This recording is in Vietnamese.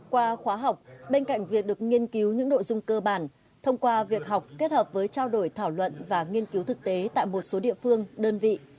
qua khóa học bên cạnh việc được nghiên cứu những nội dung cơ bản thông qua việc học kết hợp với trao đổi thảo luận và nghiên cứu thực tế tại một số địa phương đơn vị